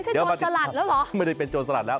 ไม่ใช่โจรสลัดแล้วเหรอไม่ได้เป็นโจรสลัดแล้ว